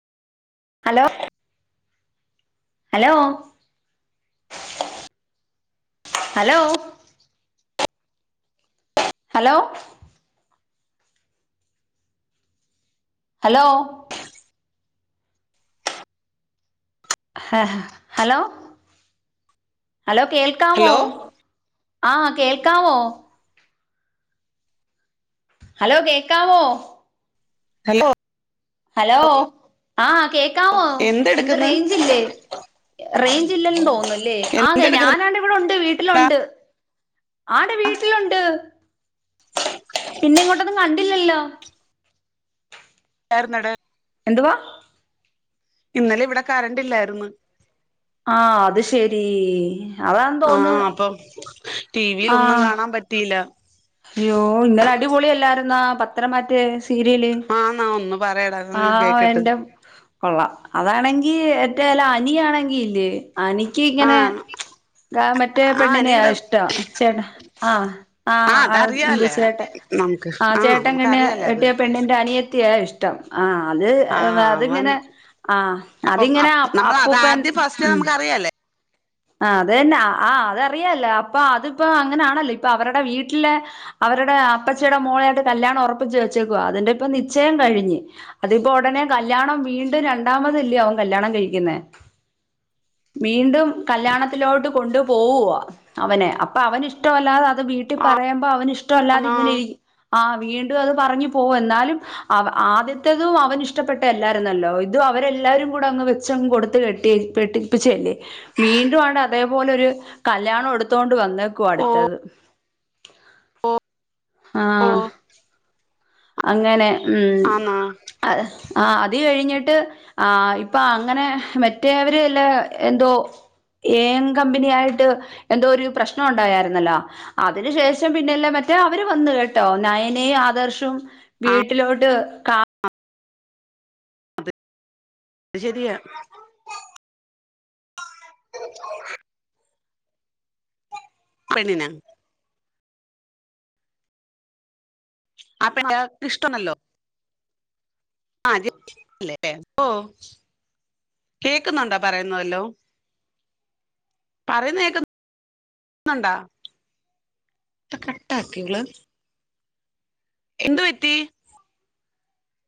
Hello hello hello hello hello ഹ hello hello കേൾക്കാമോ hello ആഹ് കേൾക്കാവോ ഹലോ കേൾക്കാവോ ഹലോ ഹലോ ആഹ കേക്കമോ എന്ത് എന്തെടുക്ക്ന്ന് റേഞ്ച്ല്ലേ റേഞ്ച് ഇല്ലെന്ന് തോന്നല്ലേ ആകെ എന്തെടുക്കുന്നുണ്ടാ ഞാനാണ്ട് ഇവിടെ ഉണ്ട് വീട്ടിലുണ്ട് ആടെ വീട്ടിലുണ്ട് ഇല്ലല്ലോ ചർനട എന്തുവാ ഇന്നലെ ഇവിടെ കരണ്ടില്ലായിരുന്നു ആഹ അത് ശെരി അതാ തോന്ന് ടി വിൽ ആ ഒന്നും കാണാൻ പറ്റിയില്ല അയ്യോ ഇന്നലെ അടിപൊളിയല്ലായിരുന്നാ പത്രംമാറ്റേ സീരിയല് ആന്നാ ഒന്ന് പറയടാ ആ അതൊന്ന് കേക്കട്ട് എന്റെ കൊള്ള അതാണെങ്ക എക്ക് ഏറ്റല്ല അനിയ ആണെങ്കിൽ ഇല്ലേ അനിക്ക് ഇങ്ങനെ ആഹ് ആ മറ്റേ ആഹ് പെണ്ണിനെയ അനിയുടെ ഇഷ്ടം ചേട്ടാ ആഹ ആ ആഹ് ആ എന്ത് അതറിയാലേ ചേട്ട നമുക്ക് ആ ആഹ് ചേട്ടൻ കണ്ണി നമുക്കറിയാലേ അത് കട്ടിയ പെണ്ണിന്റെ അനിയത്തിയ ഇഷ്ടം ആഹ് അത് ആഹ് അവൻ അതിങ്ങനെ ആഹ അപ്പം അതിങ്ങനെ നമ്മൾ അത് അപ്പൂപ്പൻ ആദ്യം ഫസ്റ്റ് ഉ നമുക്ക് അറിയാലേ ആ അത് തന്നെ ആഹ് അതറിയല്ലേ അപ്പൊ അതിപ്പോ അങ്ങനൊണല്ലോ ഇപ്പൊ അവരുടെ വീട്ടിലെ അവരുടെ അപ്പച്ചടെ മോള ആയിട്ട് കല്യാണം ഉറപ്പിച്ച് വച്ചേക്ക അതിന്റെപ്പ നിശ്യം കഴിഞ് അതിപ്പോൊ ഉടനെ കല്ല്യാണം വീണ്ടും രണ്ടാമതല്ലേ ആും കല്യാണം കഴിക്കുന്ന വീണ്ടും കല്യാണത്തിലോട്ട് കൊണ്ടു പോവാ അവനെ അപ്പൊ അവന് ഇഷ്ടമല്ലാതെ അത് വീട്ടിൽ പറയുമ്പോൾ അവന്ഷ്ട ഇഷ്ടംല്ലാതെ ആന്നാ ഇങ്ങനൊയിരിക്കും ആഹ വീണ്ടും അത് പറഞ്ഞു പോവും എന്നാലും ആദ്യത്തേതും അവൻ ഇഷ്ടപ്പെട്ട എല്ലാരരുന്നല്ലോ ഇത് അവരെല്ലാവരും കൂടെ അങ്ങ് വെച്ചങ് കൊടുത്ത് കെട്ടി പെട്ടിപ്പിച്ചല്ലേ വീണ്ടും ആണ് അതേപോലെ ഒരു കല്യാണം എടുത്തൊണ്ട് വന്നേക്കും അടുത്തത് ആ ആ ആഹ് അങ്ങനെ ഉ ആ അത് കഴിഞ്ഞിട്ട് ആ ഇപ്പൊ അങ്ങനെ മറ്റേവര് എല്ല എന്തോ ഏൻ കമ്പനി ആായിട്ട് എന്തോ ഒരു പ്രശ്നം ഉണ്ടായിരുന്നല്ലോ അതിനന് ശേഷം പിന്നെല്ലാം മറ്റ മറ്റേ അവര് വന്നു കേട്ടോ നയനയും ആദർശവും ആഹ് വീട്ടിലോട്ട് കാ അത് ശരിയാ പെണ്ണിനാ ആ പിന്നെ അത് ഇഷ്ട്ടണല്ലോ? ആഹ് [unintelligible] കേക്കുന്നുണ്ടോ പറയുന്നതെല്ലോം? പറയുന്ന കേക്ക് ന്നുണ്ടാ? ഡാ കട്ട ആക്കിയോ ഇങ്ങള് എന്ത് പറ്റി?